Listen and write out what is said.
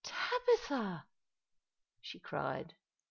"Tabitha!" she cried.